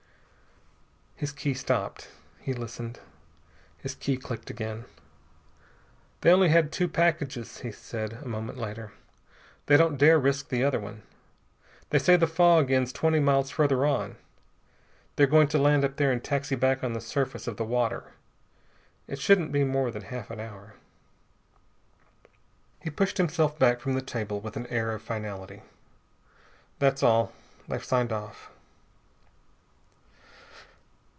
His key stopped. He listened. His key clicked again. "They only had two packages," he said a moment later. "They don't dare risk the other one. They say the fog ends twenty miles farther on. They're going to land up there and taxi back on the surface of the water. It shouldn't be more than half an hour." He pushed himself back from the table with an air of finality. "That's all. They've signed off."